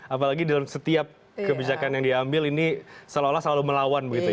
apalagi dalam setiap kebijakan yang dia ambil ini selalu selalu melawan